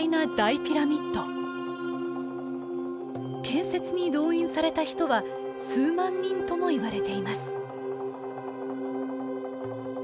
建設に動員された人は数万人ともいわれています。